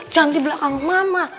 jangan di belakang mama